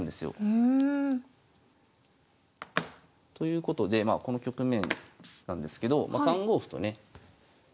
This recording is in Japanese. うん。ということでこの局面なんですけど３五歩とね。